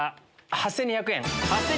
８２００円。